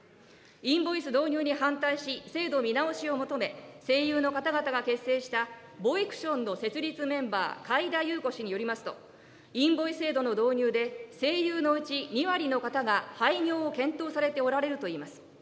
インボイス導入に反対し、制度見直しを求め、声優の方々が結成したＶＯＩＣＴＩＯＮの設立メンバー、甲斐田裕子氏によりますと、インボイス制度の導入で、声優のうち２割の方が廃業を検討されておられるといいます。